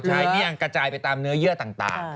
ใช่นี่ยังกระจายไปตามเนื้อเยื่อต่าง